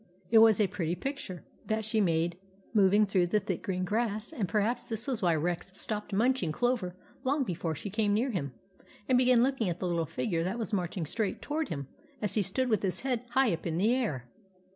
It was a pretty picture that she made, moving through the thick green grass, and perhaps this was why Rex stopped munching clover long before she came near him, and began looking at the little figure that was marching straight 22 THE ADVENTURES OF MABEL toward him as he stood with his head high up in the air.